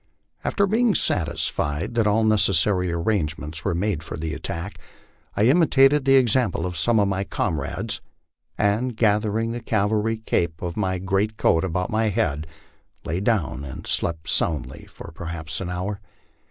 After being satisfied that all necessary arrangements were made for the attack, I imitated the example of some of my comrades, and gathering the cavalry cape of my greatcoat about my head lay down and slept soundly for perhaps an hour.